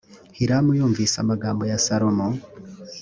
hiramu yumvise amagambo ya salomo